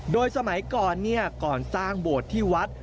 โดยสมัยก่อนก่อนสร้างโบสถ์ที่วัด